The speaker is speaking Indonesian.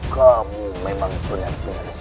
kamu memang benar benar